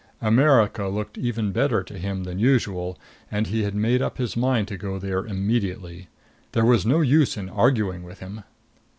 America looked even better to him than usual, and he had made up his mind to go there immediately. There was no use in arguing with him.